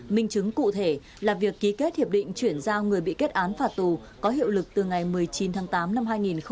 minh chứng cụ thể là việc ký kết hiệp định chuyển giao người bị kết án phạt tù có hiệu lực từ ngày một mươi chín tháng tám năm hai nghìn một mươi chín